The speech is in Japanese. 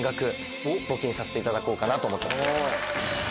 させていただこうかなと思ってます。